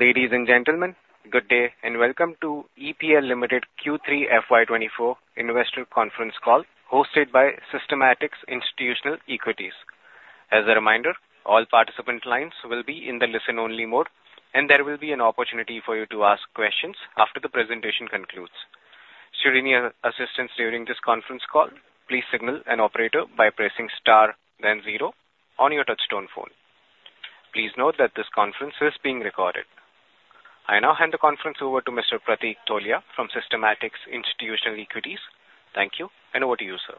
Ladies and gentlemen, good day, and welcome to EPL Limited Q3 FY 2024 investor conference call, hosted by Systematix Institutional Equities. As a reminder, all participant lines will be in the listen-only mode, and there will be an opportunity for you to ask questions after the presentation concludes. Should you need any assistance during this conference call, please signal an operator by pressing star then zero on your touchtone phone. Please note that this conference is being recorded. I now hand the conference over to Mr. Pratik Tolia from Systematix Institutional Equities. Thank you, and over to you, sir.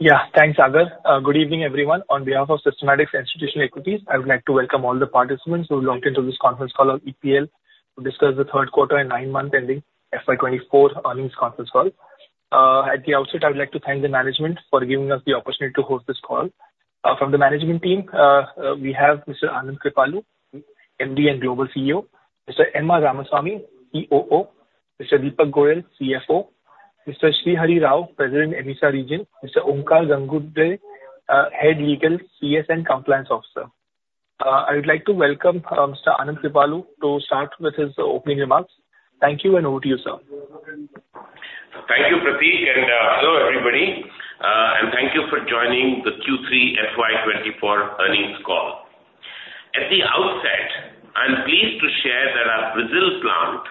Yeah, thanks, Sagar. Good evening, everyone. On behalf of Systematix Institutional Equities, I would like to welcome all the participants who logged into this conference call on EPL to discuss the Q3 and 9-month ending FY 2024 earnings conference call. At the outset, I would like to thank the management for giving us the opportunity to host this call. From the management team, we have Mr. Anand Kripalu, MD and Global CEO, Mr. M.R. Ramasamy, COO, Mr. Deepak Goyal, CFO, Mr. Srihari Rao, President, AMESA Region, Mr. Onkar Ghangurde, Head, Legal, CS, and Compliance Officer. I would like to welcome Mr. Anand Kripalu to start with his opening remarks. Thank you, and over to you, sir. Thank you, Pratik, and, hello, everybody, and thank you for joining the Q3 FY 2024 earnings call. At the outset, I'm pleased to share that our Brazil plant,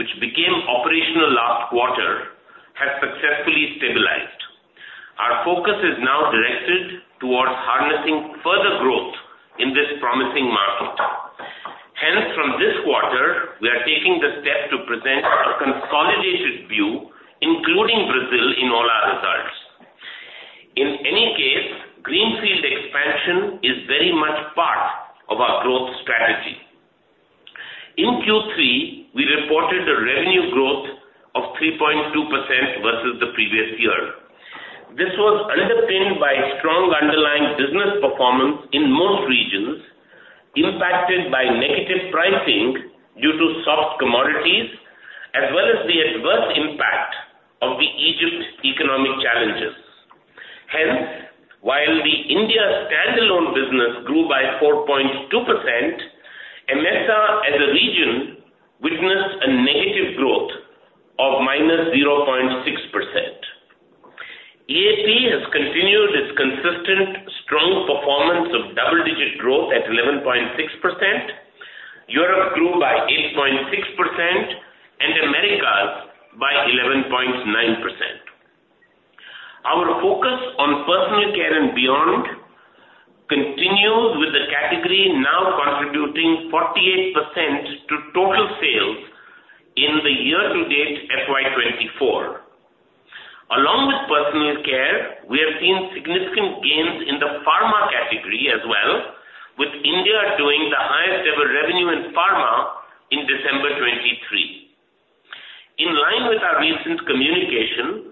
which became operational last quarter, has successfully stabilized. Our focus is now directed towards harnessing further growth in this promising market. Hence, from this quarter, we are taking the step to present a consolidated view, including Brazil, in all our results. In any case, greenfield expansion is very much part of our growth strategy. In Q3, we reported a revenue growth of 3.2% versus the previous year. This was underpinned by strong underlying business performance in most regions, impacted by negative pricing due to soft commodities, as well as the adverse impact of the Egypt economic challenges. Hence, while the India standalone business grew by 4.2%, EMEA as a region witnessed a negative growth of -0.6%. EAP has continued its consistent strong performance of double-digit growth at 11.6%, Europe grew by 8.6%, and Americas by 11.9%. Our focus on personal care and beyond continues, with the category now contributing 48% to total sales in the year-to-date FY 2024. Along with personal care, we have seen significant gains in the pharma category as well, with India doing the highest-ever revenue in pharma in December 2023. In line with our recent communication,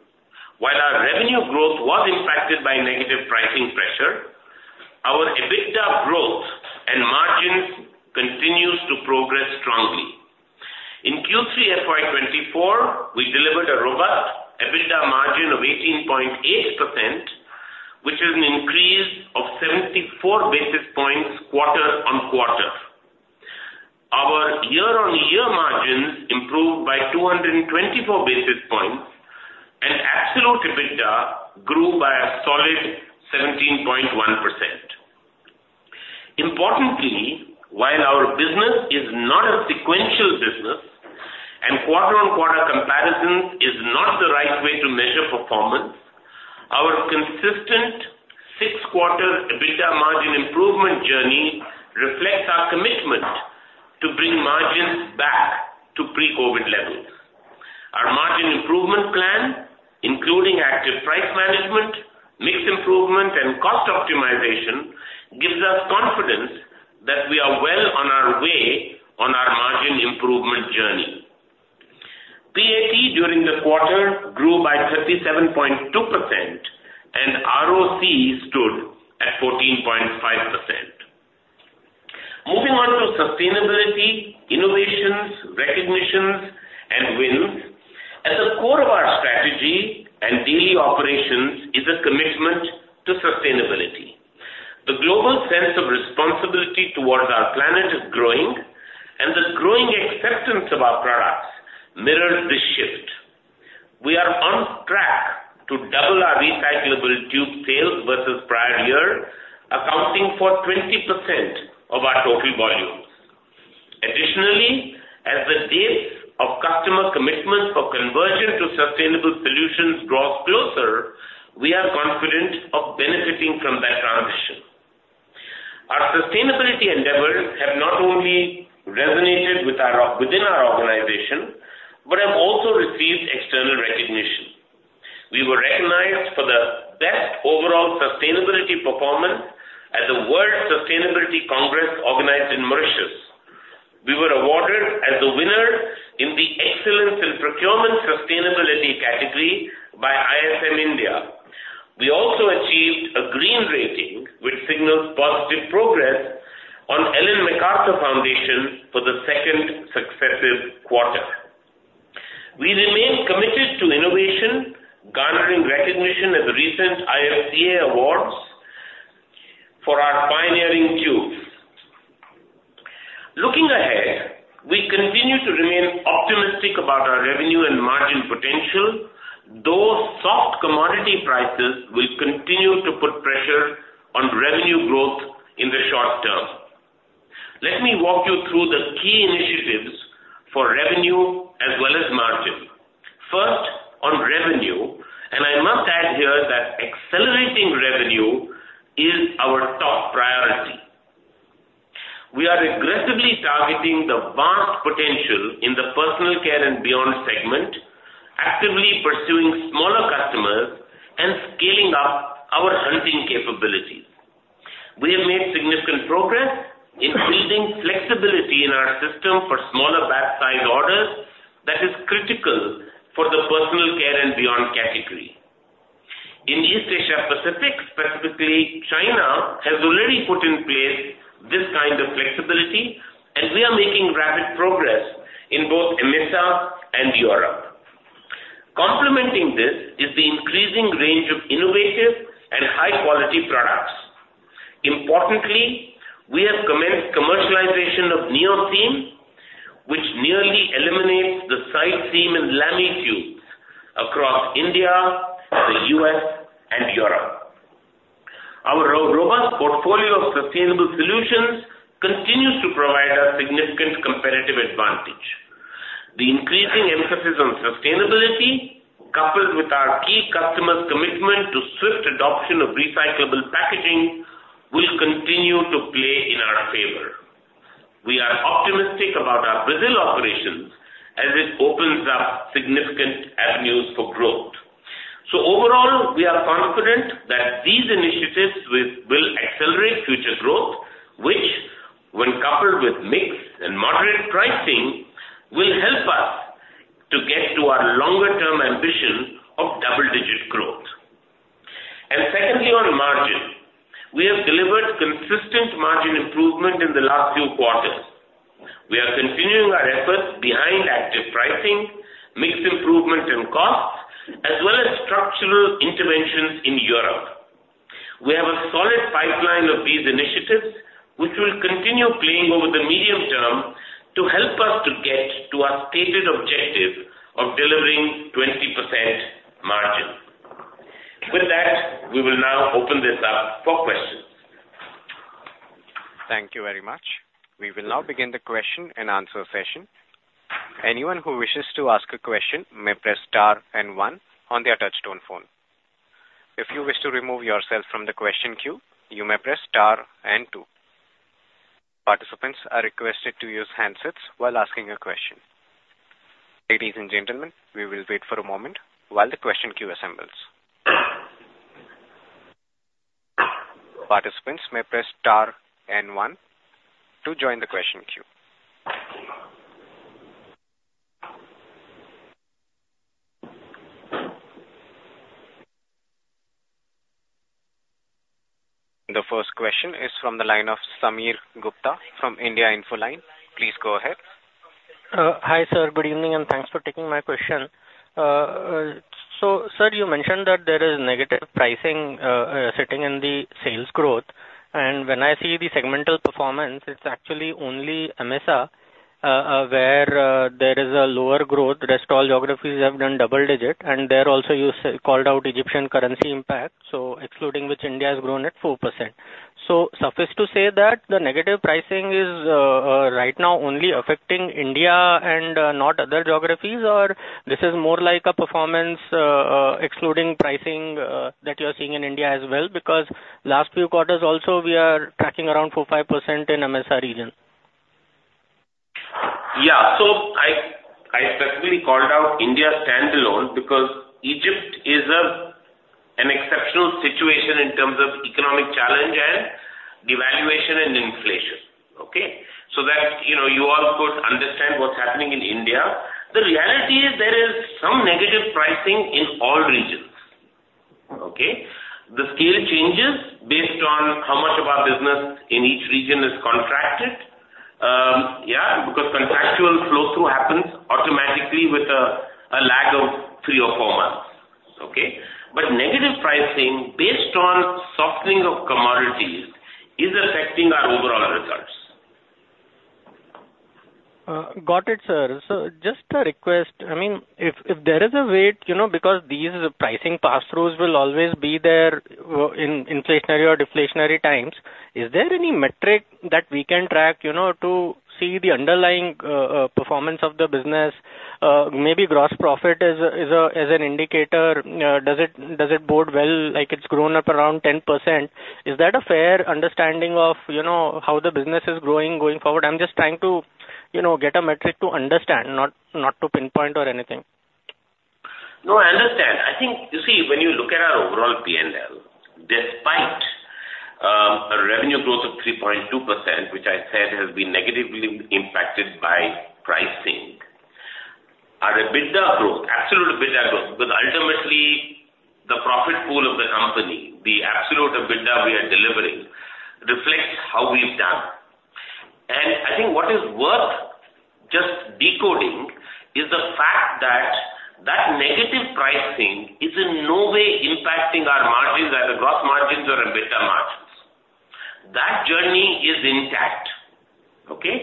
while our revenue growth was impacted by negative pricing pressure, our EBITDA growth and margins continues to progress strongly. In Q3 FY 2024, we delivered a robust EBITDA margin of 18.8%, which is an increase of 74 basis points quarter-on-quarter. Our year-on-year margins improved by 224 basis points, and absolute EBITDA grew by a solid 17.1%. Importantly, while our business is not a sequential business and quarter-on-quarter comparisons is not the right way to measure performance, our consistent 6-quarter EBITDA margin improvement journey reflects our commitment to bring margins back to pre-COVID levels. Our margin improvement plan, including active price management, mix improvement, and cost optimization, gives us confidence that we are well on our way on our margin improvement journey. PAT during the quarter grew by 37.2%, and ROC stood at 14.5%. Moving on to sustainability, innovations, recognitions, and wins. At the core of our strategy and daily operations is a commitment to sustainability. The global sense of responsibility towards our planet is growing, and the growing acceptance of our products mirrors this shift. We are on track to double our recyclable tube sales versus prior year, accounting for 20% of our total volumes. Additionally, as the date of customer commitments for conversion to sustainable solutions draws closer, we are confident of benefiting from that transition. Our sustainability endeavors have not only resonated within our organization, but have also received external recognition. We were recognized for the best overall sustainability performance at the World Sustainability Congress organized in Mauritius. We were awarded as the winner in the Excellence in Procurement Sustainability category by ISM India. We also achieved a green rating, which signals positive progress on Ellen MacArthur Foundation for the second successive quarter.... For our pioneering tubes. Looking ahead, we continue to remain optimistic about our revenue and margin potential, though soft commodity prices will continue to put pressure on revenue growth in the short term. Let me walk you through the key initiatives for revenue as well as margin. First, on revenue, and I must add here that accelerating revenue is our top priority. We are aggressively targeting the vast potential in the personal care and beyond segment, actively pursuing smaller customers and scaling up our hunting capabilities. We have made significant progress in building flexibility in our system for smaller batch size orders that is critical for the personal care and beyond category. In East Asia Pacific, specifically, China, has already put in place this kind of flexibility, and we are making rapid progress in both AMESA and Europe. Complementing this is the increasing range of innovative and high-quality products. Importantly, we have commenced commercialization of NeoSeam, which nearly eliminates the side seam in laminated tubes across India, the US, and Europe. Our robust portfolio of sustainable solutions continues to provide us significant competitive advantage. The increasing emphasis on sustainability, coupled with our key customers' commitment to swift adoption of recyclable packaging, will continue to play in our favor. We are optimistic about our Brazil operations as it opens up significant avenues for growth. So overall, we are confident that these initiatives will accelerate future growth, which, when coupled with mix and moderate pricing, will help us to get to our longer-term ambition of double-digit growth. And secondly, on margin, we have delivered consistent margin improvement in the last few quarters. We are continuing our efforts behind active pricing, mix improvement in costs, as well as structural interventions in Europe. We have a solid pipeline of these initiatives, which will continue playing over the medium term to help us to get to our stated objective of delivering 20% margin. With that, we will now open this up for questions. Thank you very much. We will now begin the question and answer session. Anyone who wishes to ask a question may press star and one on their touchtone phone. If you wish to remove yourself from the question queue, you may press star and two. Participants are requested to use handsets while asking a question. Ladies and gentlemen, we will wait for a moment while the question queue assembles. Participants may press star and one to join the question queue. The first question is from the line of Sameer Gupta from India Infoline. Please go ahead. Hi, sir, good evening, and thanks for taking my question. So, sir, you mentioned that there is negative pricing sitting in the sales growth, and when I see the segmental performance, it's actually only AMESA where there is a lower growth. Rest all geographies have done double-digit, and there also, you called out Egyptian currency impact, so excluding which, India has grown at 4%. So suffice to say that the negative pricing is right now only affecting India and not other geographies, or this is more like a performance excluding pricing that you're seeing in India as well? Because last few quarters also, we are tracking around 4%-5% in AMESA region. Yeah. So I specifically called out India standalone because Egypt is an exceptional situation in terms of economic challenge and devaluation and inflation, okay? So that, you know, you all of course understand what's happening in India. The reality is there is some negative pricing in all regions, okay? The scale changes based on how much of our business in each region is contracted. Yeah, because contractual flow-through happens automatically with a lag of three or four months, okay? But negative pricing based on softening of commodities is affecting our overall results. Got it, sir. So just a request, I mean, if there is a way, you know, because these pricing pass-throughs will always be there in inflationary or deflationary times, is there any metric that we can track, you know, to see the underlying performance of the business? Maybe gross profit is an indicator. Does it bode well, like it's grown up around 10%? Is that a fair understanding of, you know, how the business is growing going forward? I'm just trying to, you know, get a metric to understand, not to pinpoint or anything. No, I understand. I think, you see, when you look at our overall P&L, despite a revenue growth of 3.2%, which I said has been negatively impacted by pricing, our EBITDA growth, absolute EBITDA growth, because ultimately the profit pool of the company, the absolute EBITDA we are delivering, reflects how we've done. Is the fact that that negative pricing is in no way impacting our margins, either gross margins or EBITDA margins. That journey is intact, okay?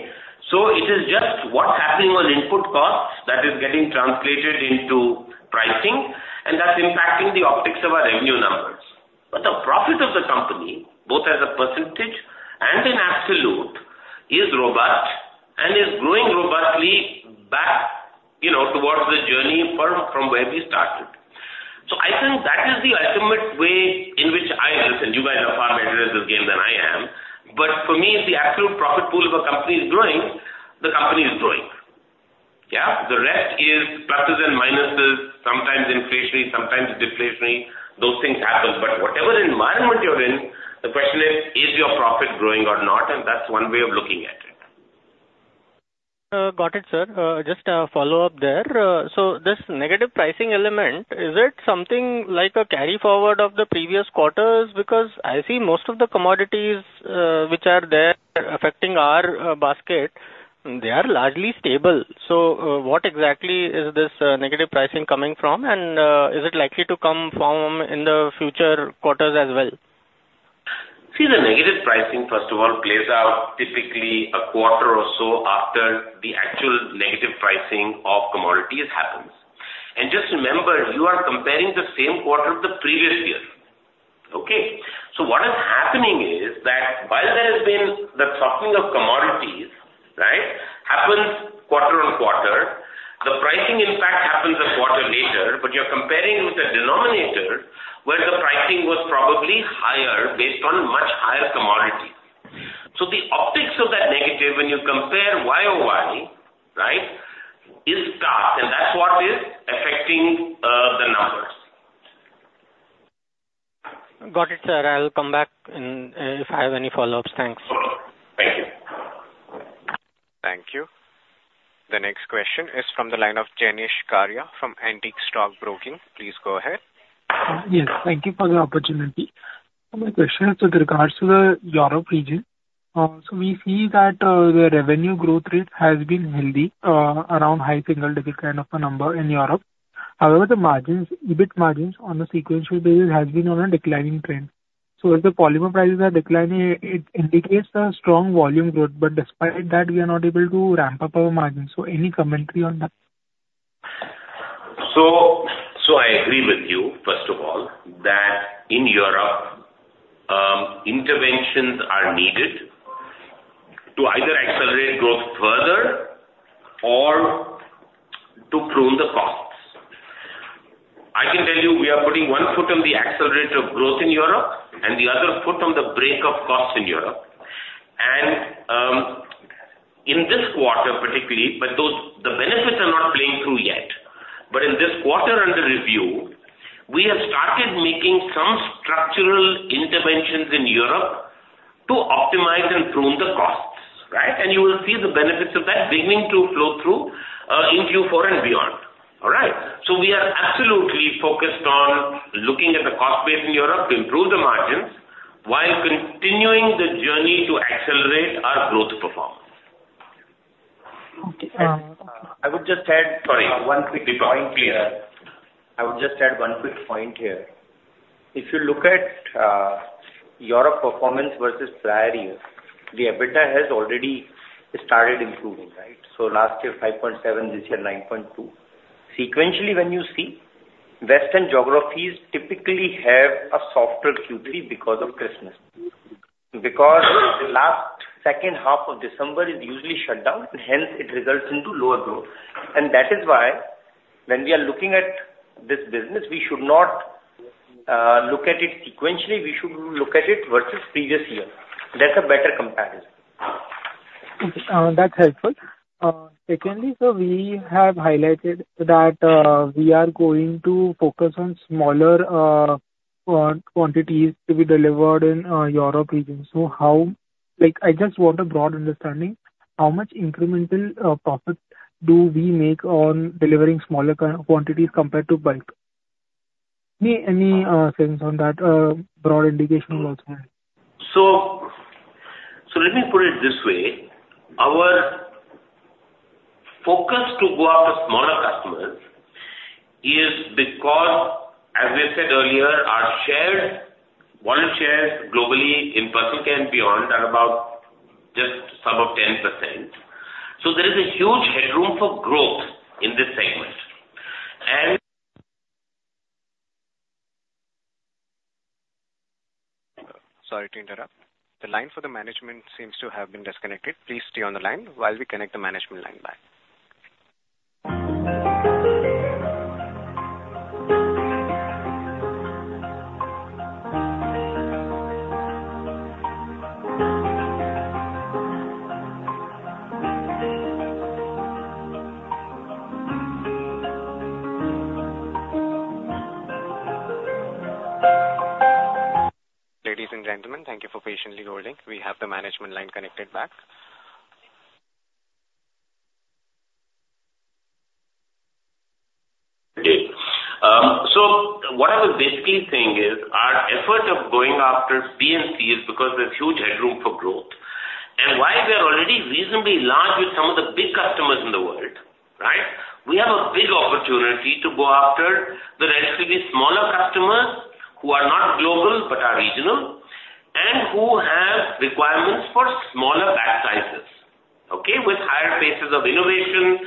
So it is just what's happening on input costs that is getting translated into pricing, and that's impacting the optics of our revenue numbers. But the profit of the company, both as a percentage and in absolute, is robust and is growing robustly back, you know, towards the journey from where we started. So I think that is the ultimate way in which I look, and you guys are far better at this game than I am. But for me, if the absolute profit pool of a company is growing, the company is growing. Yeah? The rest is pluses and minuses, sometimes inflationary, sometimes deflationary. Those things happen, but whatever environment you're in, the question is: Is your profit growing or not? And that's one way of looking at it. Got it, sir. Just a follow-up there. So this negative pricing element, is it something like a carry-forward of the previous quarters? Because I see most of the commodities, which are there affecting our basket, they are largely stable. So, what exactly is this negative pricing coming from? And, is it likely to come from in the future quarters as well? See, the negative pricing, first of all, plays out typically a quarter or so after the actual negative pricing of commodities happens. And just remember, you are comparing the same quarter of the previous year, okay? So what is happening is that while there has been the softening of commodities, right, happens quarter on quarter, the pricing impact happens a quarter later, but you're comparing with a denominator where the pricing was probably higher based on much higher commodity. So the optics of that negative when you compare YOY, right, is tough, and that's what is affecting the numbers. Got it, sir. I'll come back and if I have any follow-ups. Thanks. Thank you. Thank you. The next question is from the line of Jenish Karia from Antique Stock Broking. Please go ahead. Yes, thank you for the opportunity. My question is with regards to the Europe region. So we see that the revenue growth rate has been healthy, around high single digit kind of a number in Europe. However, the margins, EBIT margins on a sequential basis has been on a declining trend. So as the polymer prices are declining, it indicates a strong volume growth, but despite that, we are not able to ramp up our margins. So any commentary on that? So, I agree with you, first of all, that in Europe, interventions are needed to either accelerate growth further or to prune the costs. I can tell you, we are putting one foot on the accelerator of growth in Europe and the other foot on the brake of costs in Europe. And, in this quarter, particularly, but those... The benefits are not playing through yet. But in this quarter under review, we have started making some structural interventions in Europe to optimize and prune the costs, right? And you will see the benefits of that beginning to flow through, in Q4 and beyond. All right? So we are absolutely focused on looking at the cost base in Europe to improve the margins, while continuing the journey to accelerate our growth performance. Okay, uh- I would just add- Sorry. One quick point here. Please. I would just add one quick point here. If you look at Europe performance versus prior year, the EBITDA has already started improving, right? So last year, 5.7, this year, 9.2. Sequentially, when you see, western geographies typically have a softer Q3 because of Christmas. Because the last second half of December is usually shut down, and hence it results into lower growth. And that is why when we are looking at this business, we should not look at it sequentially, we should look at it versus previous year. That's a better comparison. Okay, that's helpful. Secondly, sir, we have highlighted that, we are going to focus on smaller, quantities to be delivered in, Europe region. So how... Like, I just want a broad understanding, how much incremental, profit do we make on delivering smaller quantities compared to bulk? Any, sense on that, broad indication will also help. So, let me put it this way: Our focus to go after smaller customers is because, as we said earlier, our share, volume share globally in Personal Care and Beyond are about just south of 10%. So there is a huge headroom for growth in this segment. And- Sorry to interrupt. The line for the management seems to have been disconnected. Please stay on the line while we connect the management line back. Ladies and gentlemen, thank you for patiently holding. We have the management line connected back.... after B&C is because there's huge headroom for growth. And while we are already reasonably large with some of the big customers in the world, right? We have a big opportunity to go after the relatively smaller customers who are not global, but are regional, and who have requirements for smaller batch sizes, okay? With higher paces of innovation,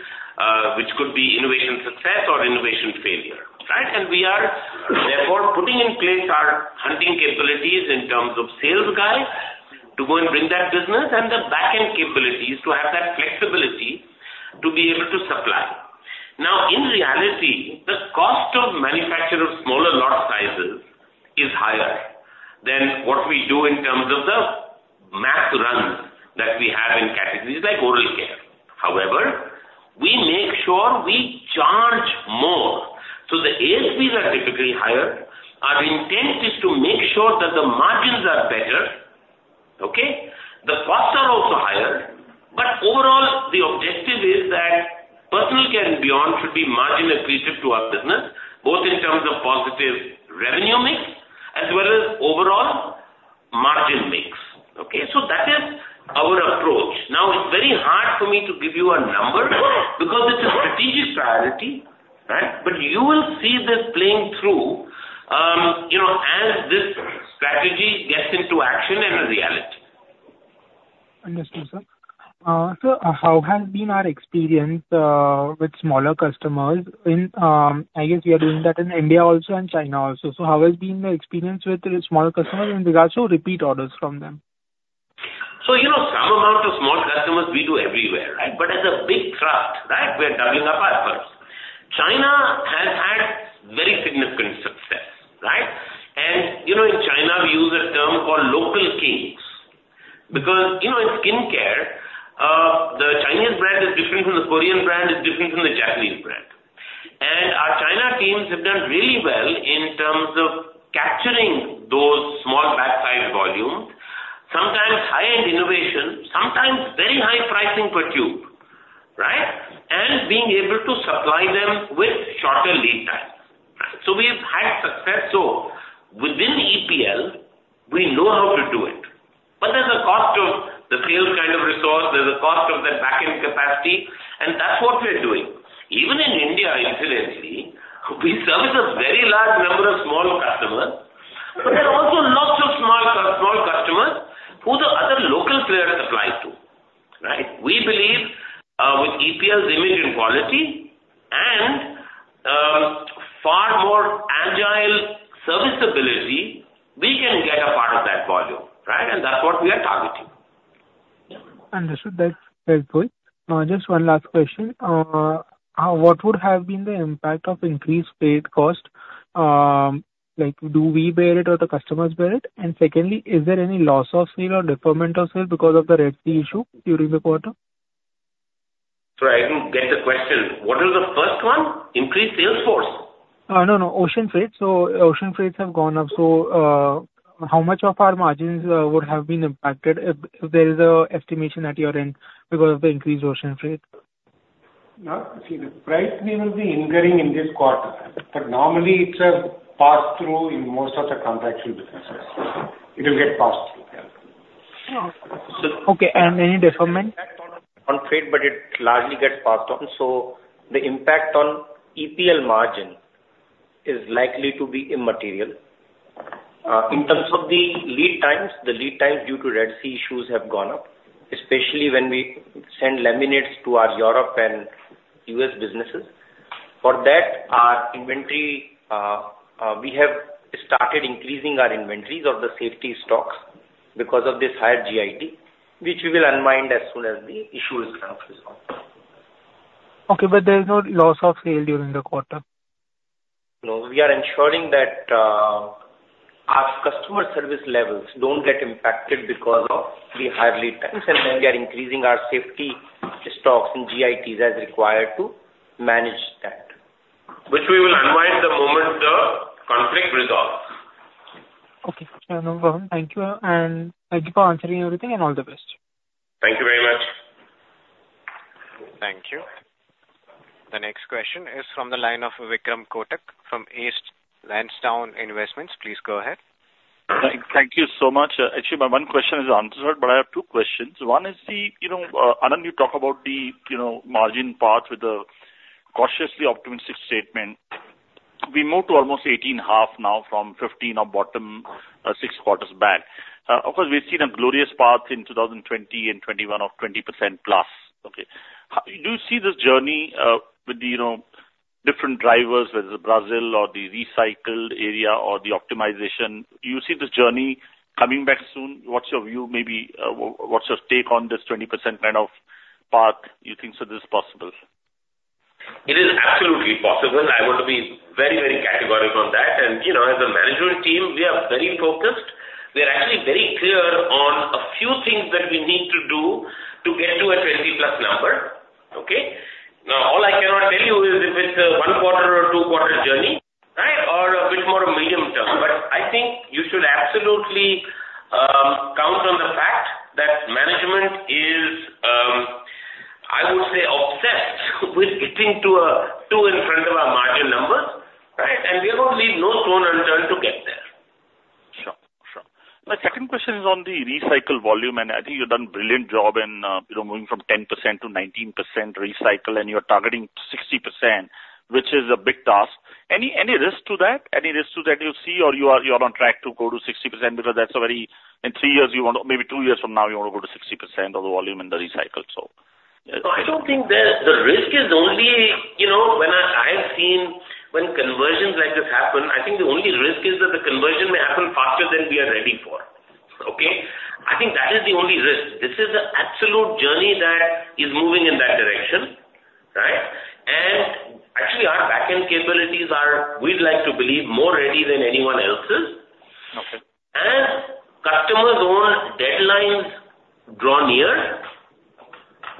which could be innovation success or innovation failure, right? And we are therefore putting in place our hunting capabilities in terms of sales guys, to go and bring that business and the back-end capabilities to have that flexibility to be able to supply. Now, in reality, the cost of manufacture of smaller lot sizes is higher than what we do in terms of the mass runs that we have in categories like oral care. However, we make sure we charge more. So the ASPs are typically higher. Our intent is to make sure that the margins are better, okay? The costs are also higher, but overall, the objective is that personal care and beyond should be margin accretive to our business, both in terms of positive revenue mix as well as overall margin mix. Okay, so that is our approach. Now, it's very hard for me to give you a number because it's a strategic priority, right? But you will see this playing through, you know, as this strategy gets into action and a reality. Understand, sir. So how has been our experience with smaller customers in, I guess we are doing that in India also and China also. So how has been the experience with the smaller customers, and regards to repeat orders from them? So, you know, some amount of small customers we do everywhere, right? But as a big thrust, right, we're doubling up our efforts. China has had very significant success, right? And you know, in China, we use a term called local kings, because, you know, in skincare, the Chinese brand is different from the Korean brand, is different from the Japanese brand. And our China teams have done really well in terms of capturing those small batch size volumes, sometimes high-end innovation, sometimes very high pricing per tube, right? And being able to supply them with shorter lead times. So we've had success. So within EPL, we know how to do it, but there's a cost of the sales kind of resource, there's a cost of that back-end capacity, and that's what we are doing. Even in India, incidentally, we service a very large number of small customers, but there are also lots of small customers who the other local players supply to, right? We believe, with EPL's image and quality and, far more agile serviceability, we can get a part of that volume, right? That's what we are targeting. Yeah. Understood. That's helpful. Just one last question. What would have been the impact of increased freight cost? Like, do we bear it or the customers bear it? And secondly, is there any loss of sale or deferment of sale because of the Red Sea issue during the quarter? I don't get the question. What was the first one? Increased sales force? No, no, ocean freight. So ocean freights have gone up. So, how much of our margins would have been impacted, if there is an estimation at your end because of the increased ocean freight? Now, see, the price may well be incurred in this quarter, but normally it's a pass-through in most of the contractual businesses. It will get passed through. Okay, and any deferment? On freight, but it largely gets passed on, so the impact on EPL margin is likely to be immaterial. In terms of the lead times, the lead time due to Red Sea issues have gone up, especially when we send laminates to our Europe and US businesses. For that, our inventory, we have started increasing our inventories of the safety stocks because of this higher GIT, which we will unwind as soon as the issue is kind of resolved. Okay, but there is no loss of sale during the quarter? No, we are ensuring that, our customer service levels don't get impacted because of the higher lead times, and we are increasing our safety stocks and GITs as required to manage that. Which we will unwind the moment the conflict resolves. Okay. Thank you, and thank you for answering everything, and all the best. Thank you very much. Thank you. The next question is from the line of Vikram Kotak from Ace Lansdowne Investments. Please go ahead. Thank you so much. Actually, my one question is answered, but I have two questions. One is the, you know, Anand, you talk about the, you know, margin part with a cautiously optimistic statement. We moved to almost 18.5 now from 15% or bottom, six quarters back. Of course, we've seen a glorious path in 2020 and 2021 of 20%+. Okay. Do you see this journey, with the, you know, different drivers, whether it's Brazil or the recycled area or the optimization, do you see this journey coming back soon? What's your view? Maybe, what's your take on this 20% kind of path? You think so this is possible? It is absolutely possible. I want to be very, very categorical on that. You know, as a management team, we are very focused. We are actually very clear on a few things that we need to do to get to a 20+ number. Okay? Now, all I cannot tell you is if it's a 1-quarter or 2-quarter journey, right, or a bit more medium-term. But I think you should absolutely, count on the fact that management is-... Right, and we will leave no stone unturned to get there. Sure, sure. My second question is on the recycle volume, and I think you've done brilliant job in, you know, moving from 10% to 19% recycle, and you're targeting 60%, which is a big task. Any, any risk to that? Any risk to that you see, or you are, you are on track to go to 60% of the volume in the recycle, so- I don't think the risk is only, you know, when I have seen when conversions like this happen, I think the only risk is that the conversion may happen faster than we are ready for. Okay? I think that is the only risk. This is an absolute journey that is moving in that direction, right? And actually, our back-end capabilities are, we'd like to believe, more ready than anyone else's. Okay. As customers' own deadlines draw near,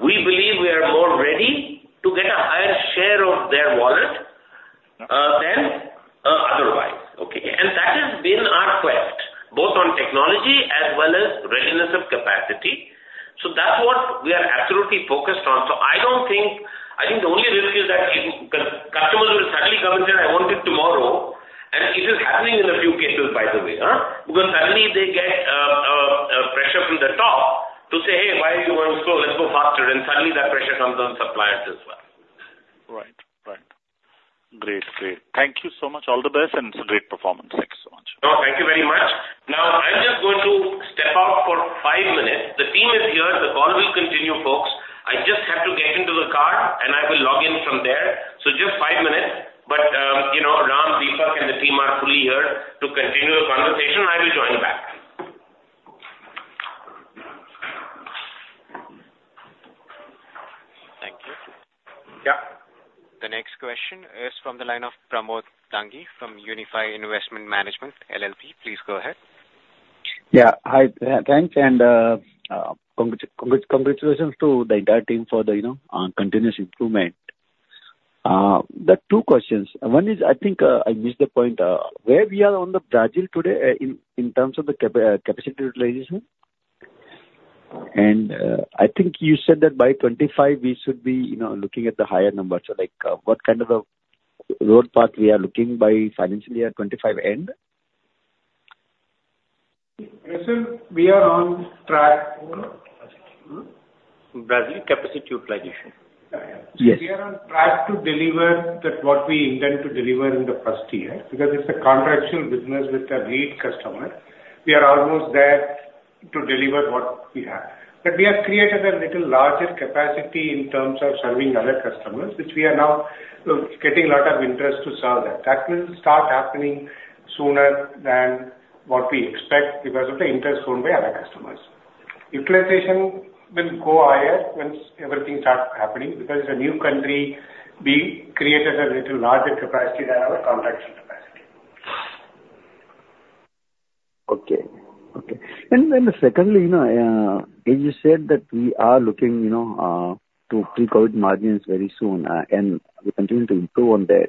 we believe we are more ready to get a higher share of their wallet, than otherwise, okay? That has been our quest, both on technology as well as readiness of capacity. That's what we are absolutely focused on. I don't think... I think the only risk is that if the customers will suddenly come and say, "I want it tomorrow," and it is happening in a few cases, by the way, because suddenly they get pressure from the top to say, "Hey, why you want to go, let's go faster." And suddenly that pressure comes on suppliers as well. Right. Right. Great, great. Thank you so much. All the best, and it's a great performance. Thank you so much. No, thank you very much. Now, I'm just going to step out for five minutes. The team is here. The call will continue, folks. I just have to get into the car, and I will log in from there. So just five minutes, but, you know, Ram, Deepak, and the team are fully here to continue the conversation. I will join back. Thank you. Yeah. The next question is from the line of Pramod Dangi from Unifi Investment Management LLP. Please go ahead. Yeah. Hi, thanks, and, congratulations to the entire team for the, you know, continuous improvement. There are two questions. One is, I think, I missed the point, where we are on the Brazil today, in terms of the capacity utilization? And, I think you said that by 2025, we should be, you know, looking at the higher numbers. So, like, what kind of a road path we are looking by financial year 2025 end? We are on track for... Hmm? Brazil capacity utilization. Yeah. Yes. We are on track to deliver that what we intend to deliver in the first year, because it's a contractual business with a lead customer. We are almost there to deliver what we have. But we have created a little larger capacity in terms of serving other customers, which we are now, getting a lot of interest to serve that. That will start happening sooner than what we expect because of the interest shown by other customers. Utilization will go higher once everything starts happening, because it's a new country, we created a little larger capacity than our contractual capacity. Okay. Okay. And then secondly, you know, as you said, that we are looking, you know, to recover margins very soon, and we continue to improve on that.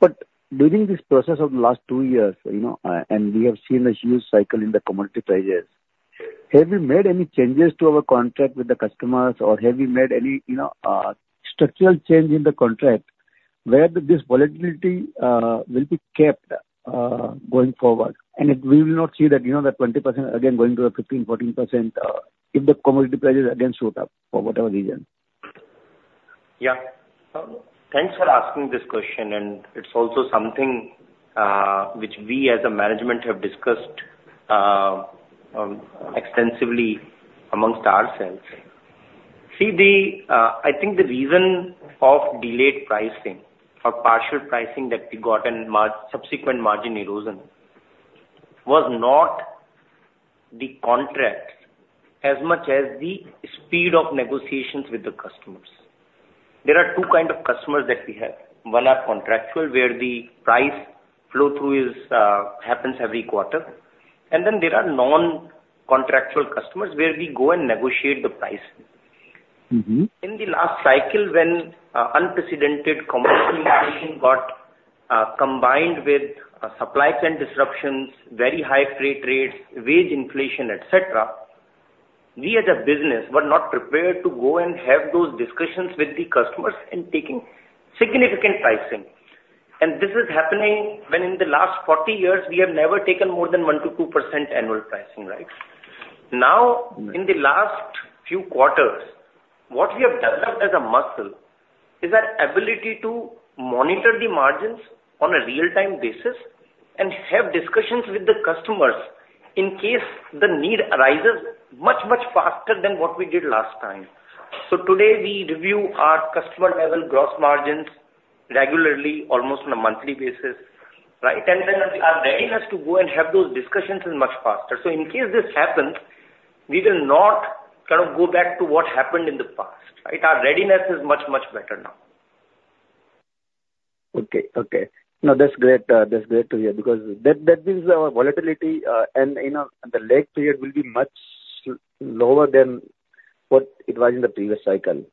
But during this process of the last two years, you know, and we have seen a huge cycle in the commodity prices, have you made any changes to our contract with the customers, or have you made any, you know, structural change in the contract where this volatility will be kept going forward, and it- we will not see that, you know, the 20% again going to a 15, 14%, if the commodity prices again shoot up for whatever reason? Yeah. Thanks for asking this question, and it's also something which we as a management have discussed extensively amongst ourselves. See, I think the reason of delayed pricing or partial pricing that we got and subsequent margin erosion was not the contract as much as the speed of negotiations with the customers. There are two kind of customers that we have. One are contractual, where the price flow-through is happens every quarter, and then there are non-contractual customers where we go and negotiate the price. Mm-hmm. In the last cycle, when unprecedented commodity pricing got combined with supply chain disruptions, very high freight rates, wage inflation, et cetera, we as a business were not prepared to go and have those discussions with the customers in taking significant pricing. And this is happening when in the last 40 years we have never taken more than 1%-2% annual pricing, right? Now, in the last few quarters, what we have developed as a muscle is our ability to monitor the margins on a real-time basis and have discussions with the customers in case the need arises much, much faster than what we did last time. So today, we review our customer-level gross margins regularly, almost on a monthly basis, right? And then our readiness to go and have those discussions is much faster. In case this happens, we will not kind of go back to what happened in the past, right? Our readiness is much, much better now. Okay, okay. No, that's great, that's great to hear, because that, that means our volatility, and, you know, the lag period will be much lower than what it was in the previous cycle.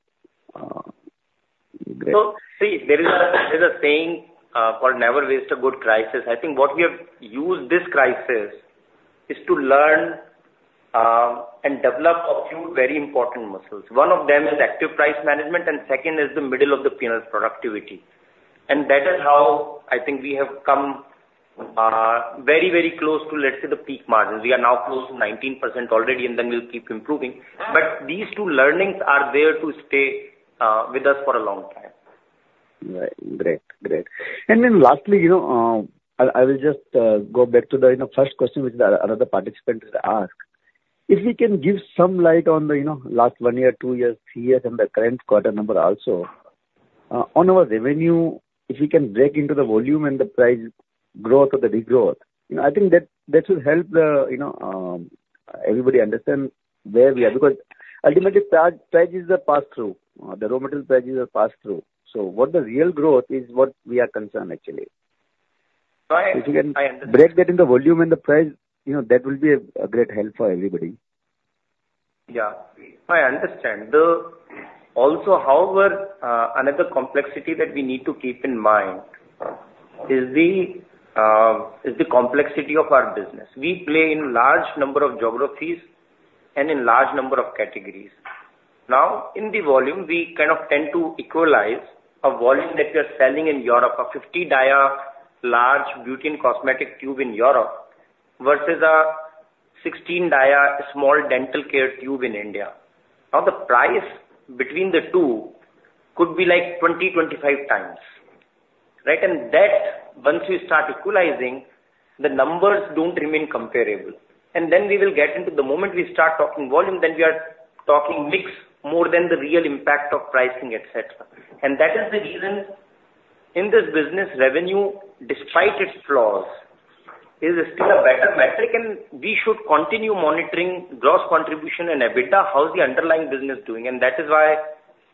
Great. So, see, there is a, there's a saying for never waste a good crisis. I think what we have used this crisis is to learn and developed a few very important muscles. One of them is active price management, and second is the middle of the P&L productivity. And that is how I think we have come very, very close to, let's say, the peak margins. We are now close to 19% already, and then we'll keep improving. But these two learnings are there to stay with us for a long time. Right. Great. Great. And then lastly, you know, I will just go back to the, you know, first question, which another participant has asked. If we can give some light on the, you know, last one year, two years, three years, and the current quarter number also, on our revenue, if we can break into the volume and the price growth or the degrowth, you know, I think that will help the, you know, everybody understand where we are. Because ultimately, prices are passed through, the raw material prices are passed through. So what the real growth is what we are concerned, actually. I understand. If you can break that in the volume and the price, you know, that will be a great help for everybody. Yeah, I understand. Also, however, another complexity that we need to keep in mind is the complexity of our business. We play in large number of geographies and in large number of categories. Now, in the volume, we kind of tend to equalize a volume that we are selling in Europe, a 50 dia large beauty 'n cosmetic tube in Europe, versus a 16 dia small dental care tube in India. Now, the price between the two could be like 20-25 times, right? And that, once we start equalizing, the numbers don't remain comparable. And then we will get into the moment we start talking volume, then we are talking mix more than the real impact of pricing, et cetera. That is the reason, in this business, revenue, despite its flaws, is still a better metric, and we should continue monitoring gross contribution and EBITDA, how's the underlying business doing? That is why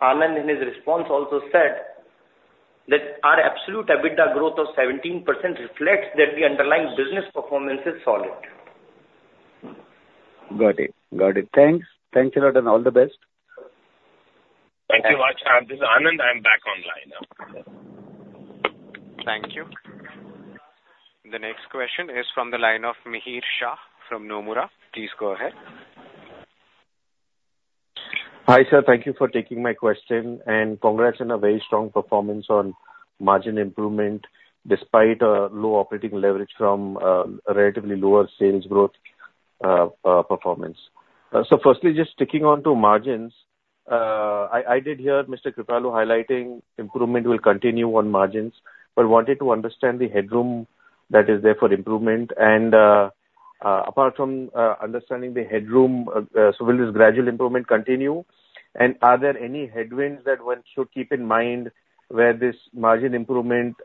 Anand, in his response, also said that our absolute EBITDA growth of 17% reflects that the underlying business performance is solid. Got it. Got it. Thanks. Thanks a lot, and all the best. Thank you much. This is Anand. I'm back online now. Thank you. The next question is from the line of Mihir Shah from Nomura. Please go ahead. Hi, sir, thank you for taking my question, and congrats on a very strong performance on margin improvement despite a low operating leverage from a relatively lower sales growth performance. So firstly, just sticking on to margins, I did hear Mr. Kripalu highlighting improvement will continue on margins, but wanted to understand the headroom that is there for improvement. And apart from understanding the headroom, so will this gradual improvement continue? And are there any headwinds that one should keep in mind where this margin improvement,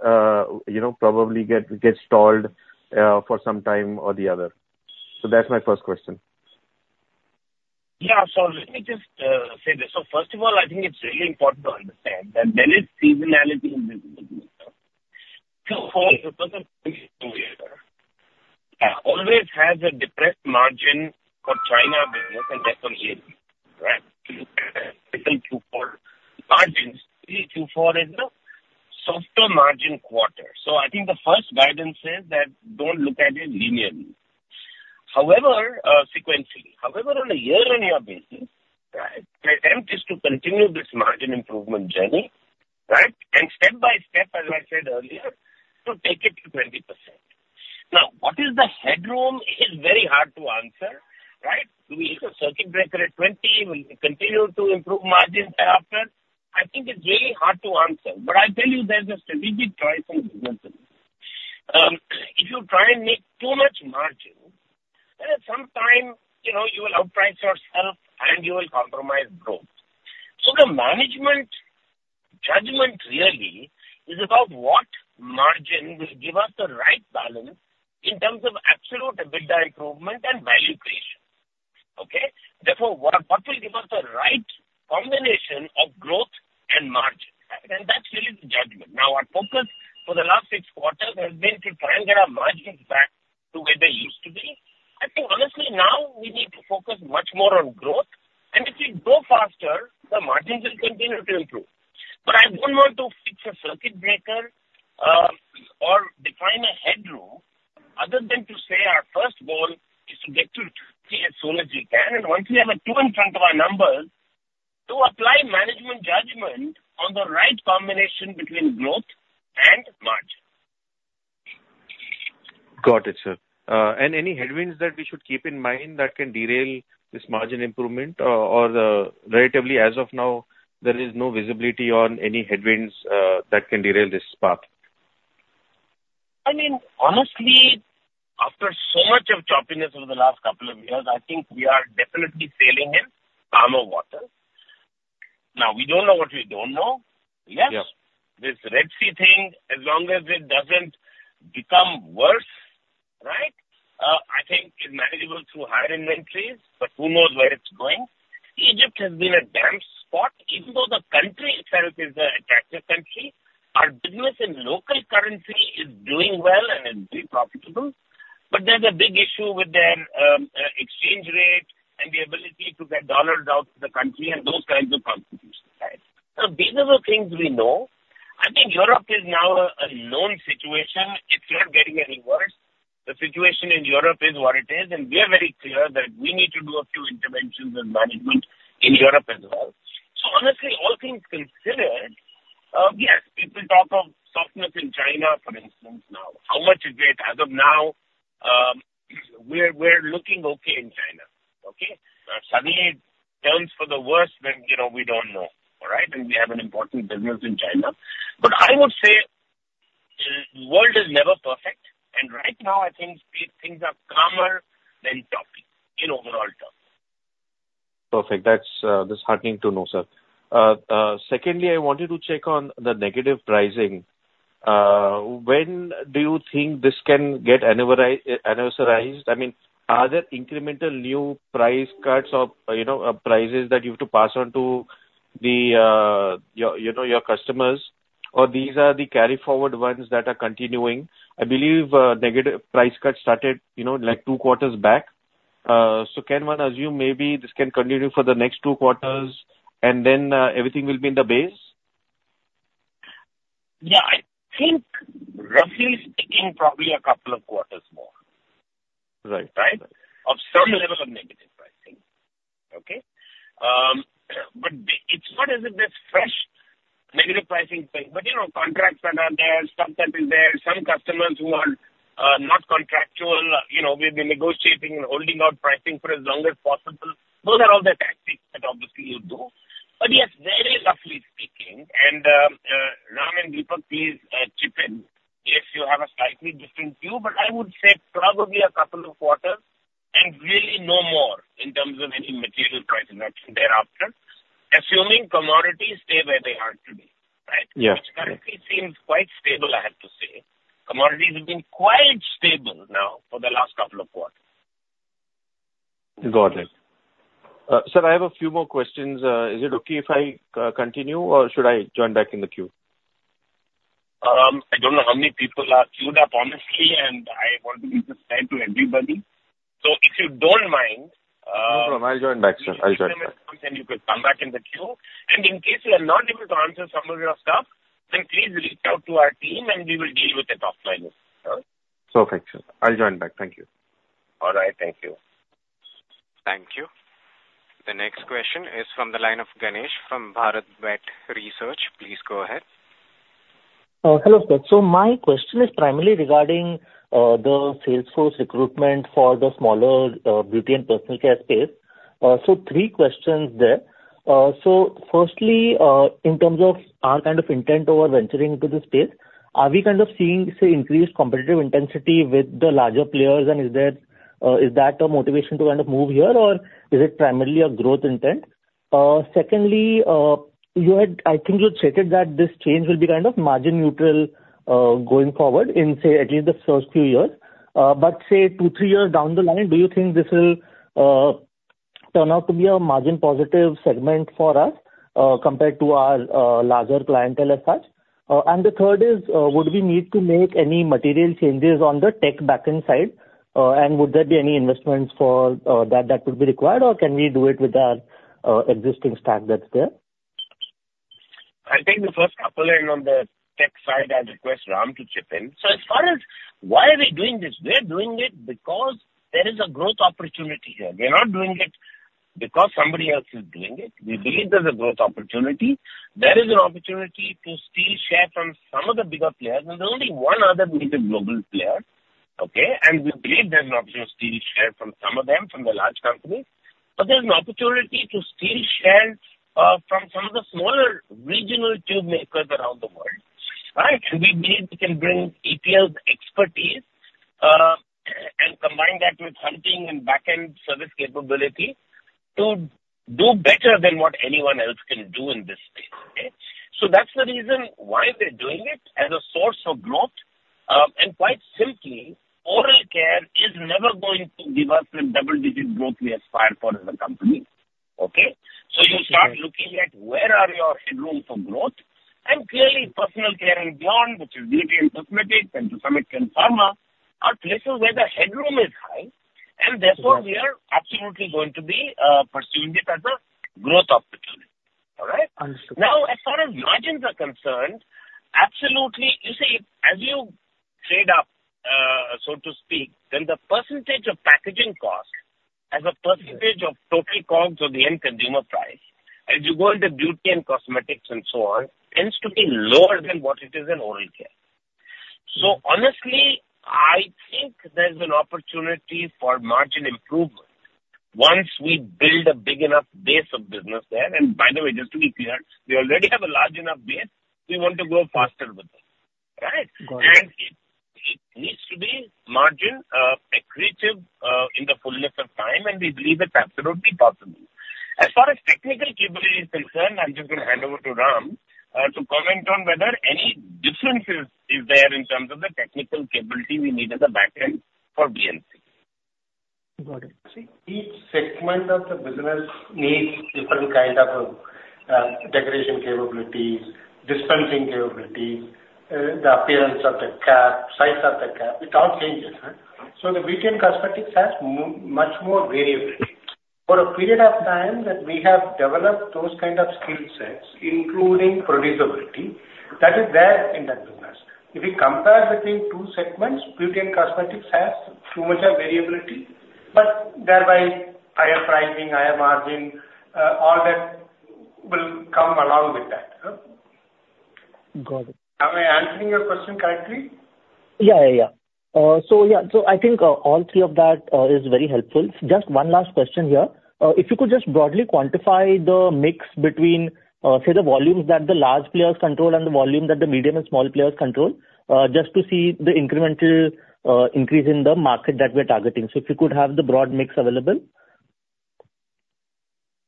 you know, probably get stalled for some time or the other? So that's my first question. Yeah. So let me just say this. So first of all, I think it's really important to understand that there is seasonality in this business. So Q4 always has a depressed margin for China business, and therefore, right? Q4 margins. Q4 is the softer margin quarter. So I think the first guidance is that don't look at it linearly. However, sequentially. However, on a year-on-year basis, right, the attempt is to continue this margin improvement journey, right? And step by step, as I said earlier, to take it to 20%. Now, what is the headroom is very hard to answer, right? Do we hit a circuit breaker at 20? Will we continue to improve margins thereafter? I think it's really hard to answer, but I tell you there's a strategic choice in business. If you try and make too much margin, then at some time, you know, you will outprice yourself and you will compromise growth. So the management judgment really is about what margin will give us the right balance in terms of absolute EBITDA improvement and value creation. Okay? Therefore, what, what will give us the right combination of growth and margin, and that's really the judgment. Now, our focus for the last six quarters has been to try and get our margins back to where they used to be. I think honestly, now we need to focus much more on growth, and if we grow faster, the margins will continue to improve. I don't want to fix a circuit breaker, or define a headroom other than to say our first goal is to get to 20 as soon as we can, and once we have a 2 in front of our numbers, to apply management judgment on the right combination between growth and margin. Got it, sir. Any headwinds that we should keep in mind that can derail this margin improvement, or relatively as of now, there is no visibility on any headwinds that can derail this path? I mean, honestly, after so much of choppiness over the last couple of years, I think we are definitely sailing in calmer waters. Now, we don't know what we don't know. Yes. This Red Sea thing, as long as it doesn't become worse, right, I think it's manageable through higher inventories, but who knows where it's going? Egypt has been a damp spot. Even though the country itself is an attractive country, our business in local currency is doing well and is very profitable, but there's a big issue with their exchange rate and the ability to get dollars out of the country and those kinds of problems.... So these are the things we know. I think Europe is now a known situation. It's not getting any worse. The situation in Europe is what it is, and we are very clear that we need to do a few interventions and management in Europe as well. So honestly, all things considered, yes, people talk of softness in China, for instance, now. How much is it? As of now, we're looking okay in China. Okay? If suddenly it turns for the worse, then, you know, we don't know. All right? And we have an important business in China. But I would say, the world is never perfect, and right now, I think things are calmer than tough in overall terms. Perfect. That's heartening to know, sir. Secondly, I wanted to check on the negative pricing. When do you think this can get annualized? I mean, are there incremental new price cuts or, you know, prices that you have to pass on to your customers, or these are the carry forward ones that are continuing? I believe negative price cuts started, you know, like two quarters back. So can one assume maybe this can continue for the next two quarters and then everything will be in the base? Yeah, I think roughly speaking, probably a couple of quarters more. Right. Right? Of some level of negative pricing. Okay? But the—it's not as if there's fresh negative pricing thing, but, you know, contracts that are there, stock that is there, some customers who are, not contractual, you know, we've been negotiating and holding on pricing for as long as possible. Those are all the tactics that obviously you do. But yes, very roughly speaking, and, Ram and Deepak please, chip in if you have a slightly different view, but I would say probably a couple of quarters and really no more in terms of any material price reduction thereafter, assuming commodities stay where they are today, right? Yeah. Which currently seems quite stable, I have to say. Commodities have been quite stable now for the last couple of quarters. Got it. Sir, I have a few more questions. Is it okay if I continue, or should I join back in the queue? I don't know how many people are queued up, honestly, and I want to give the time to everybody. So if you don't mind, No problem. I'll join back, sir. I'll join back. Then you could come back in the queue. In case we are not able to answer some of your stuff, then please reach out to our team, and we will deal with it offline as well. Perfect, sir. I'll join back. Thank you. All right. Thank you. Thank you. The next question is from the line of Ganesh from Bharat Bet Research. Please go ahead. Hello, sir. My question is primarily regarding the sales force recruitment for the smaller beauty and personal care space. Three questions there. Firstly, in terms of our kind of intent over venturing into this space, are we kind of seeing, say, increased competitive intensity with the larger players, and is that a motivation to kind of move here, or is it primarily a growth intent? Secondly, you had—I think you had stated that this change will be kind of margin neutral going forward in, say, at least the first few years. But say two, three years down the line, do you think this will turn out to be a margin positive segment for us compared to our larger clientele as such? The third is, would we need to make any material changes on the tech backend side, and would there be any investments for that that would be required, or can we do it with our existing stack that's there? I'll take the first couple, and on the tech side, I'd request Ram to chip in. So as far as why are we doing this, we're doing it because there is a growth opportunity here. We're not doing it because somebody else is doing it. We believe there's a growth opportunity. There is an opportunity to steal share from some of the bigger players, and there's only one other major global player, okay? And we believe there's an opportunity to steal share from some of them, from the large companies, but there's an opportunity to steal share from some of the smaller regional tube makers around the world, right? And we believe we can bring EPL's expertise and combine that with hunting and backend service capability to do better than what anyone else can do in this space, okay? So that's the reason why we're doing it, as a source of growth. Quite simply, oral care is never going to give us the double-digit growth we aspire for in the company, okay? Okay. So you start looking at where are your headroom for growth, and clearly, personal care and beyond, which is beauty and cosmetics and to some extent, pharma, are places where the headroom is high, and therefore- Okay. We are absolutely going to be pursuing it as a growth opportunity. All right? Understood. Now, as far as margins are concerned, absolutely... You see, as you trade up, so to speak, then the percentage of packaging cost as a percentage of total costs or the end consumer price, as you go into beauty and cosmetics and so on, tends to be lower than what it is in oral care. So honestly, I think there's an opportunity for margin improvement once we build a big enough base of business there. By the way, just to be clear, we already have a large enough base. We want to grow faster with it, right? Got it. It needs to be margin accretive in the fullness of time, and we believe it's absolutely possible. As far as technical capability is concerned, I'm just going to hand over to Ram to comment on whether any differences is there in terms of the technical capability we need at the back end for BNC. Got it. Each segment of the business needs different kind of, decoration capabilities, dispensing capabilities, the appearance of the cap, size of the cap. It all changes, right?... So the beauty and cosmetics has much more variability. For a period of time that we have developed those kind of skill sets, including producibility, that is there in that business. If we compare between two segments, beauty and cosmetics has too much of variability, but thereby higher pricing, higher margin, all that will come along with that. Got it. Am I answering your question correctly? Yeah, yeah, yeah. So yeah, so I think, all three of that, is very helpful. Just one last question here. If you could just broadly quantify the mix between, say, the volumes that the large players control and the volume that the medium and small players control, just to see the incremental, increase in the market that we're targeting. So if you could have the broad mix available.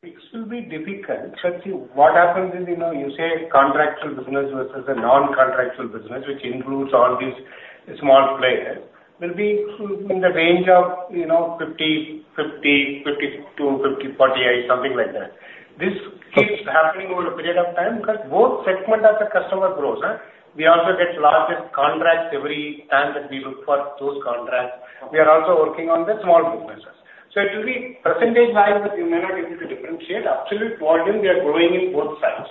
It will be difficult, but see, what happens is, you know, you say contractual business versus a non-contractual business, which includes all these small players, will be in the range of, you know, 50, 50, 52, 54, something like that. This keeps happening over a period of time because both segment as the customer grows, we also get largest contracts every time that we look for those contracts. We are also working on the small businesses. So it will be percentage-wise, but you may not be able to differentiate. Absolute volume, we are growing in both sides.